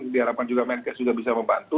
diharapkan juga menkes juga bisa membantu